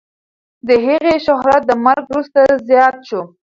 د هغې شهرت د مرګ وروسته زیات شو.